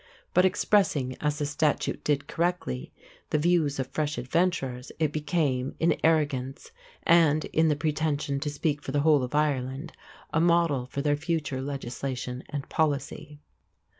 But expressing, as the statute did correctly, the views of fresh adventurers, it became, in arrogance and in the pretension to speak for the whole of Ireland, a model for their future legislation and policy.